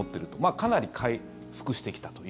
かなり回復してきたという。